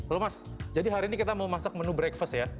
loh mas jadi hari ini kita mau masak menu breakfast ya